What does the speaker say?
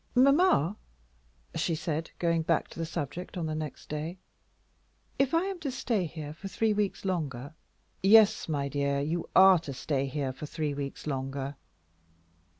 "Mamma," she said, going back to the subject on the next day, "if I am to stay here for three weeks longer " "Yes, my dear, you are to stay here for three weeks longer."